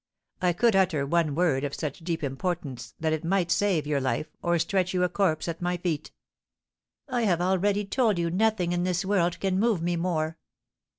I could utter one word of such deep importance that it might save your life or stretch you a corpse at my feet." "I have already told you nothing in this world can move me more."